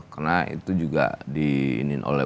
karena itu juga diinin oleh